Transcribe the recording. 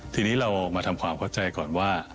ทีนี้เรามาทำความเข้าใจก่อนว่า